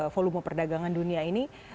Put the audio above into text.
volume perdagangan dunia ini